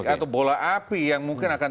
atau bola api yang mungkin akan